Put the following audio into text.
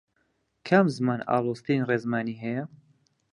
کام زمان ئاڵۆزترین ڕێزمانی هەیە؟